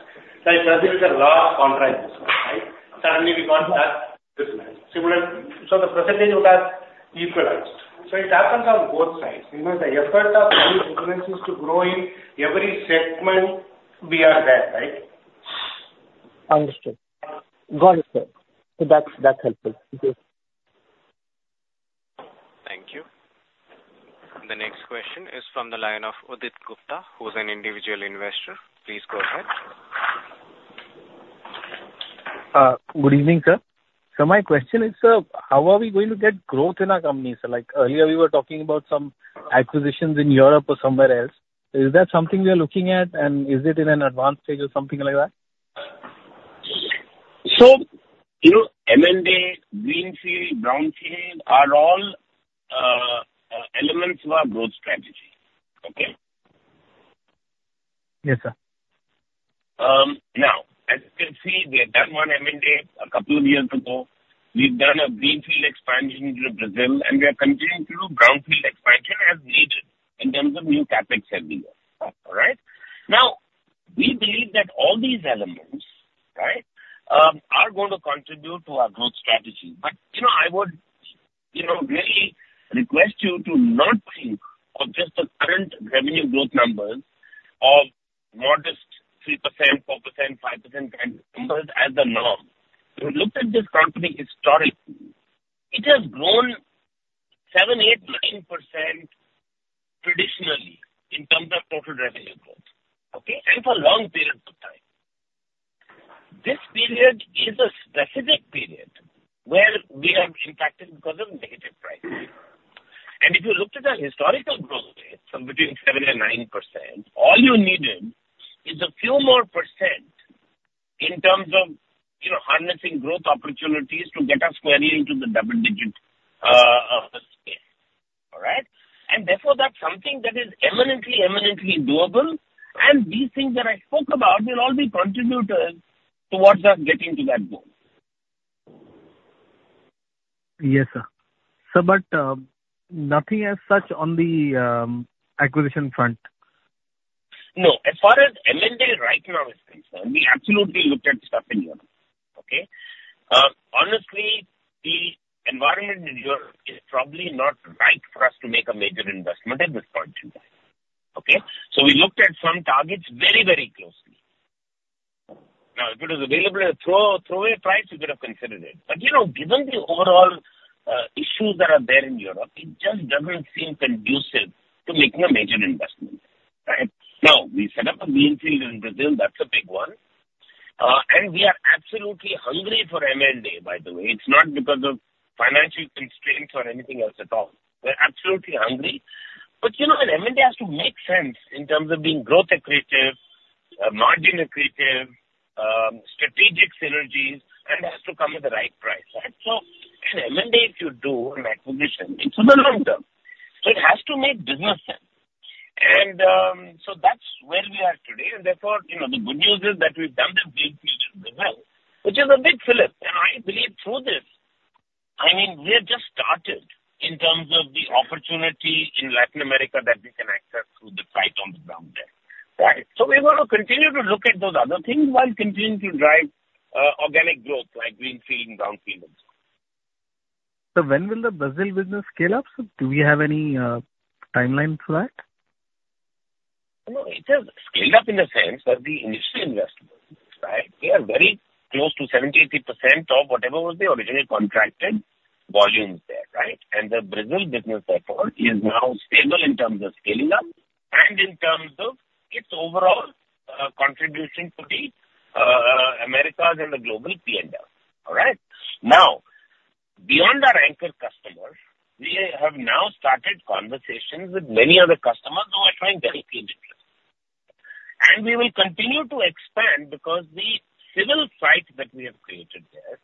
Like there is a large contract business, right? Suddenly we got that business. Similar, so the percentage would have equalized, so it happens on both sides. You know, the effort of all businesses to grow in every segment we are there, right? Understood. Got it, sir. So that's, that's helpful. Thank you. Thank you. The next question is from the line of Udit Gupta, who's an individual investor. Please go ahead. Good evening, sir. So my question is, sir, how are we going to get growth in our company, sir? Like, earlier, we were talking about some acquisitions in Europe or somewhere else. Is that something we are looking at, and is it in an advanced stage or something like that? You know, M&A, greenfield, brownfield are all elements of our growth strategy. Okay? Yes, sir. Now, as you can see, we have done one M&A a couple of years ago. We've done a greenfield expansion into Brazil, and we are continuing to do brownfield expansion as needed in terms of new CapEx every year. All right? Now, we believe that all these elements, right, are going to contribute to our growth strategy. But, you know, I would, you know, really request you to not think of just the current revenue growth numbers of modest 3%, 4%, 5% kind of numbers as the norm. If you look at this company historically, it has grown 7%, 8%, 9% traditionally in terms of total revenue growth, okay? And for long periods of time. This period is a specific period where we have been impacted because of negative pricing. If you looked at our historical growth rate of between 7% and 9%, all you needed is a few more percent in terms of, you know, harnessing growth opportunities to get us squarely into the double-digit scale. All right? And therefore, that's something that is eminently, eminently doable. And these things that I spoke about will all be contributors towards us getting to that goal. Yes, sir. So but, nothing as such on the acquisition front? No. As far as M&A right now is concerned, we absolutely looked at stuff in Europe, okay? Honestly, the environment in Europe is probably not right for us to make a major investment at this point in time, okay? So we looked at some targets very, very closely. Now, if it was available at a throwaway price, we could have considered it. But, you know, given the overall, issues that are there in Europe, it just doesn't seem conducive to making a major investment, right? Now, we set up a greenfield in Brazil, that's a big one. And we are absolutely hungry for M&A, by the way. It's not because of financial constraints or anything else at all. We're absolutely hungry. But, you know, an M&A has to make sense in terms of being growth accretive, margin accretive, strategic synergies, and has to come at the right price, right? So an M&A, if you do an acquisition, it's for the long term, so it has to make business sense. And, so that's where we are today, and therefore, you know, the good news is that we've done the greenfield as well, which is a big fillip. And I believe through this, I mean, we have just started in terms of the opportunity in Latin America that we can access through the site on the ground there, right? So we're going to continue to look at those other things while continuing to drive, organic growth like greenfield and brownfield. So when will the Brazil business scale up? So do we have any timeline for that? No, it has scaled up in the sense that the initial investments, right, we are very close to 70%-80% of whatever was the originally contracted volumes there, right? And the Brazil business therefore is now stable in terms of scaling up and in terms of its overall contribution to the Americas and the global P&L. All right? Now, beyond our anchor customer, we have now started conversations with many other customers who are showing very keen interest. And we will continue to expand because the civil site that we have created there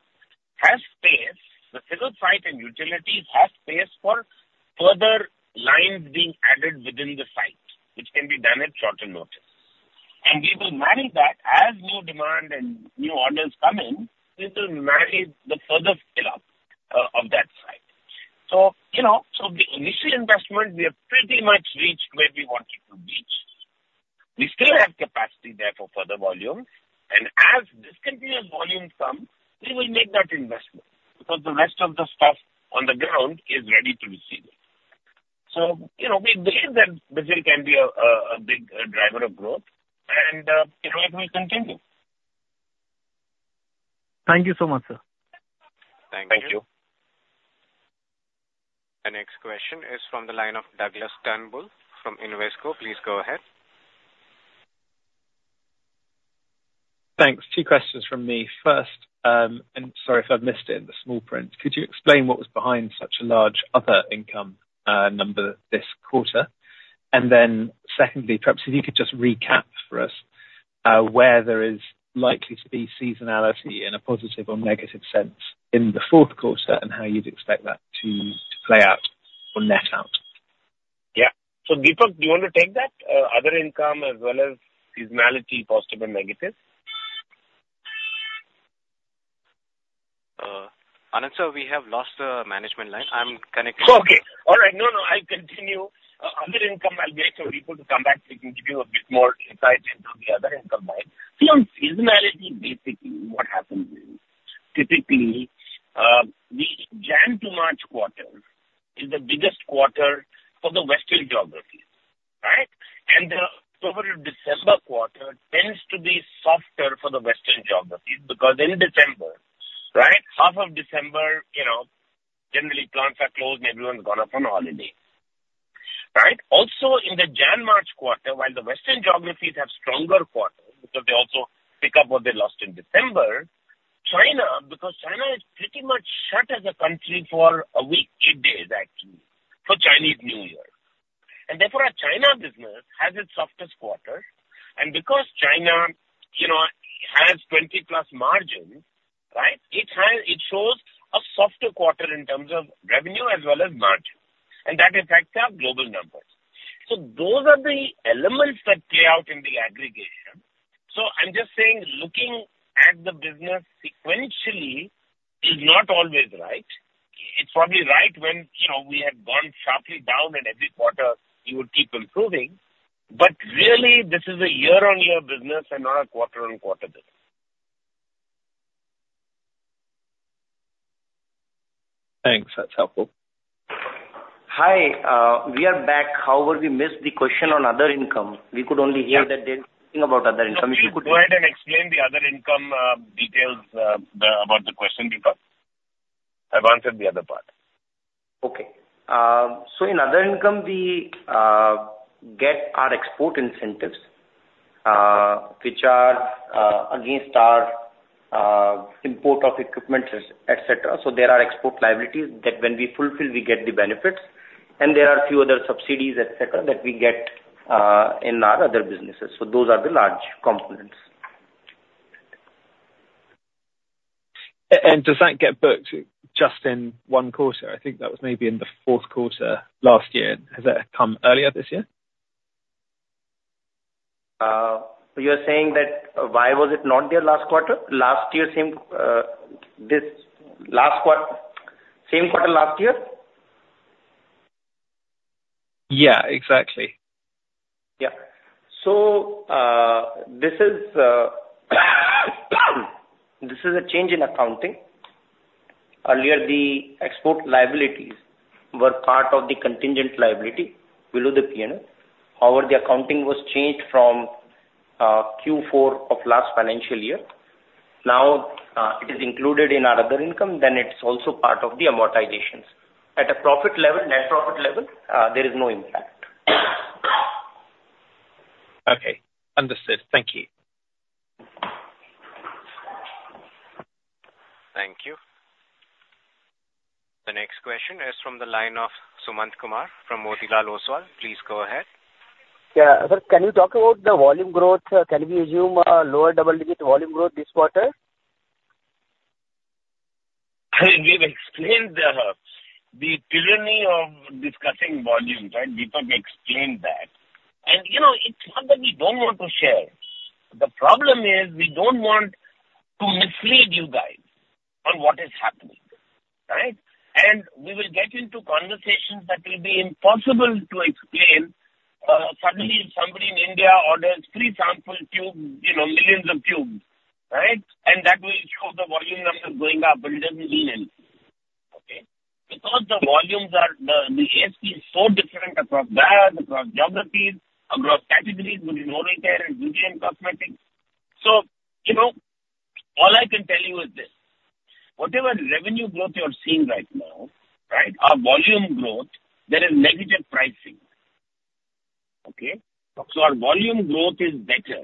has space. The civil site and utility have space for further lines being added within the site, which can be done at shorter notice. And we will manage that as new demand and new orders come in, we will manage the further scale up on that side. So, you know, so the initial investment, we have pretty much reached where we wanted to reach. We still have capacity there for further volume, and as discontinuous volume come, we will make that investment because the rest of the stuff on the ground is ready to receive it. So, you know, we believe that Brazil can be a, a big, driver of growth and, you know, it will continue. Thank you so much, sir. Thank you. Thank you. The next question is from the line of Douglas Turnbull from Invesco. Please go ahead. Thanks. Two questions from me. First, and sorry if I've missed it in the small print, could you explain what was behind such a large other income number this quarter? And then secondly, perhaps if you could just recap for us, where there is likely to be seasonality in a positive or negative sense in the Q4, and how you'd expect that to play out or net out? Yeah. So, Deepak, do you want to take that, other income as well as seasonality, positive and negative? Anand, sir, we have lost the management line. I'm connecting- Okay. All right. No, no, I'll continue. Other income, I'll get our people to come back, they can give you a bit more insight into the other income line. See, on seasonality, basically, what happens is, typically, the Jan to March quarter is the biggest quarter for the Western geographies, right? And the October to December quarter tends to be softer for the Western geographies because in December, right, half of December, you know, generally plants are closed and everyone's gone off on holiday, right? Also, in the Jan-March quarter, while the Western geographies have stronger quarters, because they also pick up what they lost in December, China, because China is pretty much shut as a country for a week, eight days actually, for Chinese New Year. Therefore, our China business has its softest quarter, and because China, you know, has 20+ margins, right, it has, it shows a softer quarter in terms of revenue as well as margin, and that affects our global numbers. So those are the elements that play out in the aggregation. So I'm just saying, looking at the business sequentially is not always right. It's probably right when, you know, we had gone sharply down and every quarter you would keep improving, but really, this is a year-on-year business and not a quarter-on-quarter business. Thanks. That's helpful. Hi, we are back. However, we missed the question on other income. We could only hear that there is something about other income. Go ahead and explain the other income details about the question, Deepak. I've answered the other part. Okay. So in other income, we get our export incentives, which are against our import of equipment, etc. So there are export liabilities that when we fulfill, we get the benefits, and there are a few other subsidies, etc., that we get in our other businesses. So those are the large components. Does that get booked just in one quarter? I think that was maybe in the Q4 last year. Has that come earlier this year? You're saying that why was it not there last quarter? Last year, same, this last quarter, same quarter last year? Yeah, exactly. Yeah. So, this is a change in accounting. Earlier, the export liabilities were part of the contingent liability below the P&L. However, the accounting was changed from Q4 of last financial year. Now, it is included in our other income, then it's also part of the amortizations. At a profit level, net profit level, there is no impact. Okay. Understood. Thank you. Thank you. The next question is from the line of Sumant Kumar from Motilal Oswal. Please go ahead. Yeah. Sir, can you talk about the volume growth? Can we assume a lower double-digit volume growth this quarter? We've explained the tyranny of discussing volumes, right? Deepak explained that. You know, it's not that we don't want to share. The problem is we don't want to mislead you guys on what is happening, right? We will get into conversations that will be impossible to explain. Suddenly somebody in India orders three sample tubes, you know, millions of tubes, right? That will show the volume numbers going up, but it doesn't mean anything, okay? Because the volumes are, the ASP is so different across brands, across geographies, across categories between oral care and beauty and cosmetics. So, you know, all I can tell you is this: whatever revenue growth you're seeing right now, right, our volume growth, there is negative pricing, okay? So our volume growth is better,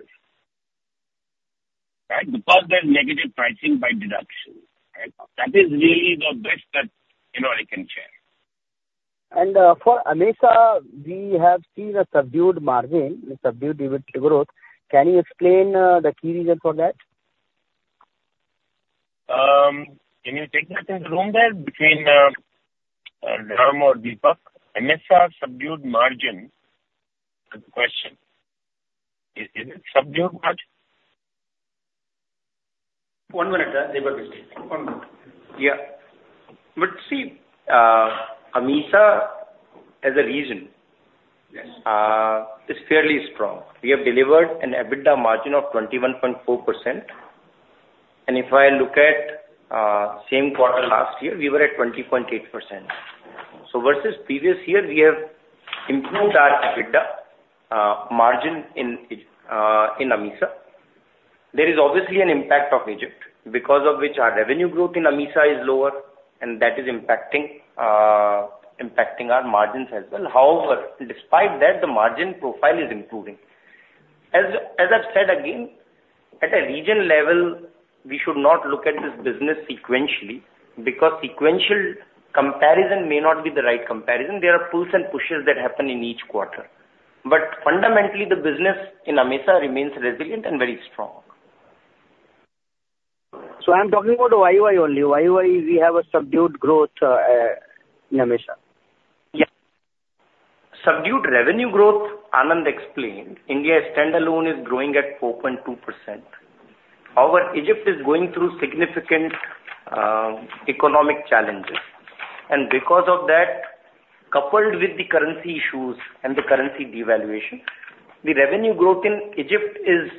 right? Because there's negative pricing by deduction, right? That is really the best that, you know, I can share. For AMESA, we have seen a subdued margin, a subdued EBITDA growth. Can you explain the key reason for that?... Can you take that in the room there between Ram or Deepak? AMESA subdued margin question. Is it subdued margin? One minute, they were busy. One minute. Yeah. But see, AMESA as a region- Yes. is fairly strong. We have delivered an EBITDA margin of 21.4%, and if I look at same quarter last year, we were at 20.8%. So versus previous year, we have improved our EBITDA margin in AMESA. There is obviously an impact of Egypt, because of which our revenue growth in AMESA is lower, and that is impacting our margins as well. However, despite that, the margin profile is improving. As I've said again, at a region level, we should not look at this business sequentially, because sequential comparison may not be the right comparison. There are pulls and pushes that happen in each quarter. But fundamentally, the business in AMESA remains resilient and very strong. I'm talking about the FY only. FY, we have subdued growth in AMESA. Yeah. Subdued revenue growth, Anand explained. India standalone is growing at 4.2%. However, Egypt is going through significant economic challenges, and because of that, coupled with the currency issues and the currency devaluation, the revenue growth in Egypt is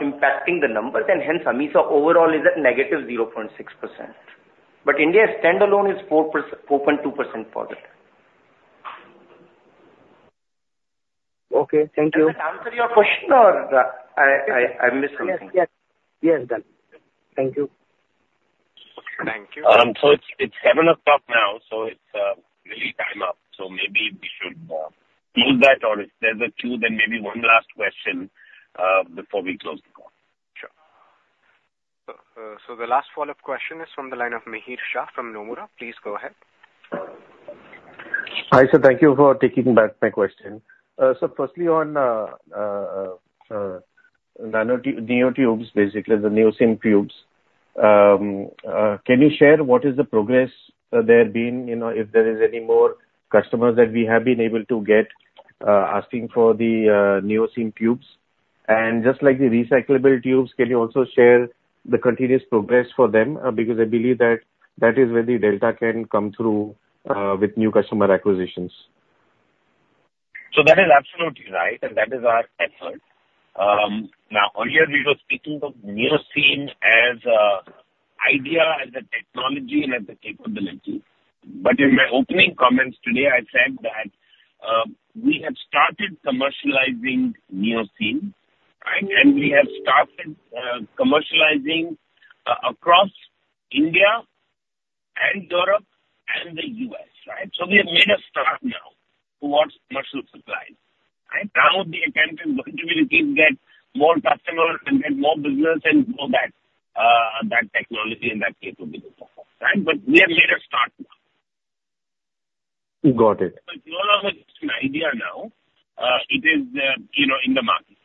impacting the numbers, and hence, AMESA overall is at -0.6%. But India standalone is 4.2% positive. Okay, thank you. Does that answer your question, or I missed something? Yes, yes. Yes, done. Thank you. Thank you. So it's seven o'clock now, so it's really time up. So maybe we should close that, or if there's a queue, then maybe one last question before we close the call. Sure. So the last follow-up question is from the line of Mihir Shah from Nomura. Please go ahead. Hi, sir. Thank you for taking back my question. So firstly on, NeoTube, NeoTubes, basically the NeoSeam tubes. Can you share what is the progress, there been, you know, if there is any more customers that we have been able to get, asking for the NeoSeam tubes? And just like the recyclable tubes, can you also share the continuous progress for them? Because I believe that that is where the delta can come through, with new customer acquisitions. So that is absolutely right, and that is our effort. Now, earlier we were speaking of NeoSeam as a idea, as a technology, and as a capability. But in my opening comments today, I said that we have started commercializing NeoSeam, right? And we have started commercializing across India and Europe and the U.S., right? So we have made a start now towards commercial supply, and now the attempt is going to be to keep get more customers and get more business and grow that that technology and that capability for us, right? But we have made a start now. Got it. It's no longer just an idea now, it is, you know, in the market.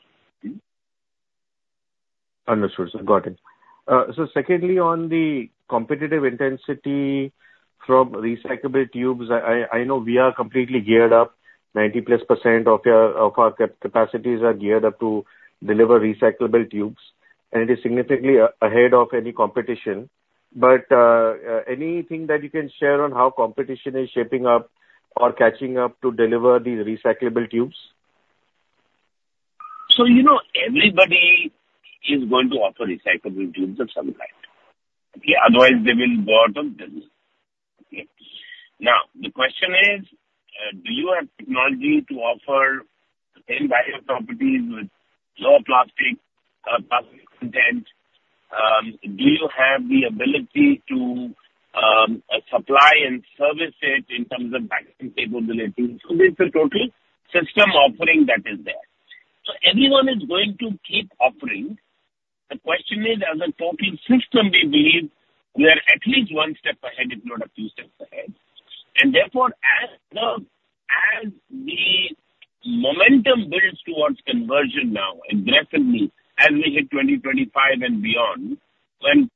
Understood, sir. Got it. So secondly, on the competitive intensity from recyclable tubes, I know we are completely geared up. 90%+ of our capacities are geared up to deliver recyclable tubes, and it is significantly ahead of any competition. But, anything that you can share on how competition is shaping up or catching up to deliver these recyclable tubes? So, you know, everybody is going to offer recyclable tubes of some kind. Okay? Otherwise, they will go out of business. Okay. Now, the question is, do you have technology to offer the same value properties with lower plastic, plastic content? Do you have the ability to, supply and service it in terms of packaging capabilities? So there's a total system offering that is there. So everyone is going to keep offering. The question is, as a total system, we believe we are at least one step ahead, if not a few steps ahead. And therefore, as the, as the momentum builds towards conversion now, aggressively, as we hit 2025 and beyond, when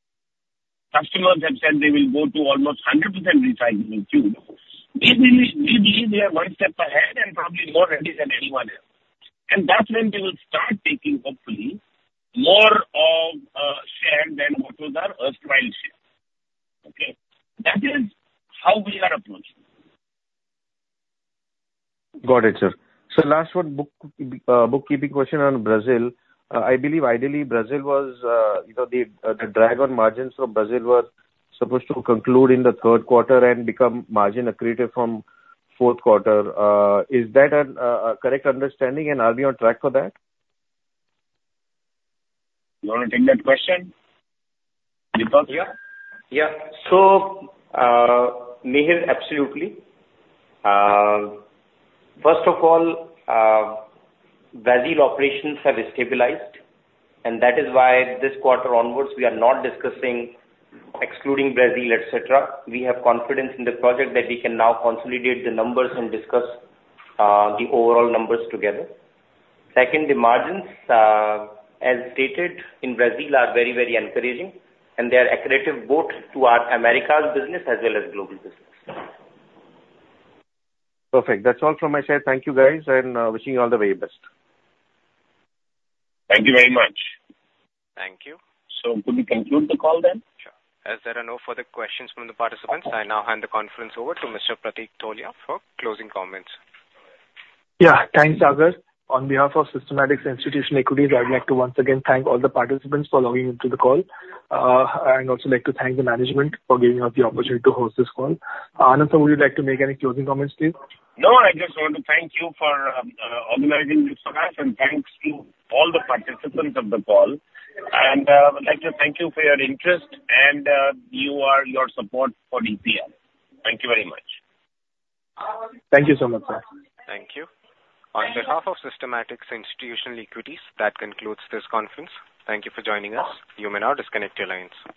customers have said they will go to almost 100% recycling tube, we believe, we believe we are one step ahead and probably more ready than anyone else. That's when we will start taking, hopefully, more of a share than what was our early trial share. Okay? That is how we are approaching. Got it, sir. So last one, bookkeeping question on Brazil. I believe ideally Brazil was, you know, the drag on margins from Brazil were supposed to conclude in the Q3 and become margin accretive from Q4. Is that a correct understanding, and are we on track for that? You want to take that question, Deepak? Yeah. Yeah. So, Mihir, absolutely. First of all, Brazil operations have stabilized, and that is why this quarter onwards, we are not discussing excluding Brazil, et cetera. We have confidence in the project that we can now consolidate the numbers and discuss, the overall numbers together. Second, the margins, as stated in Brazil, are very, very encouraging, and they are accretive both to our Americas business as well as global business. Perfect. That's all from my side. Thank you, guys, and wishing you all the very best. Thank you very much. Thank you. Could we conclude the call then? Sure. As there are no further questions from the participants, I now hand the conference over to Mr. Pratik Tholiya for closing comments. Yeah. Thanks, Sagar. On behalf of Systematix Institutional Equities, I'd like to once again thank all the participants for logging into the call, and I'd also like to thank the management for giving us the opportunity to host this call. Anand, sir, would you like to make any closing comments, please? No, I just want to thank you for organizing this for us, and thanks to all the participants of the call. And, I would like to thank you for your interest and your support for EPL. Thank you very much. Thank you so much, sir. Thank you. On behalf of Systematix Institutional Equities, that concludes this conference. Thank you for joining us. You may now disconnect your lines.